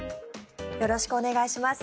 よろしくお願いします。